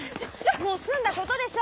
もう済んだことでしょ？